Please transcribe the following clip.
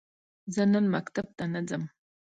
زه نن مکتب ته نه ځم.